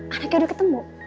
anaknya udah ketemu